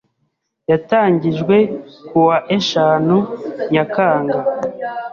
yatangijwe ku wa eshanu Nyakanga